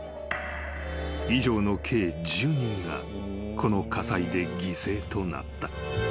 ［以上の計１０人がこの火災で犠牲となった］